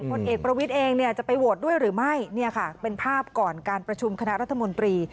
ผลเอกประวิทย์เองเนี่ยจะไปโหวตด้วยหรือไม่เนี่ยค่ะเป็นภาพก่อนการประชุมคณะรัฐมนตรี